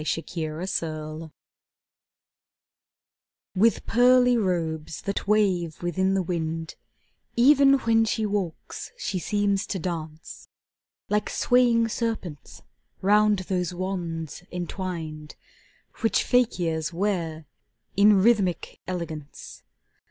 Sonnet XXVIII With pearly robes that wave within the wind, Even when she walks, she seems to dance, Like swaying serpents round those wands entwined Which fakirs ware in rhythmic elegance.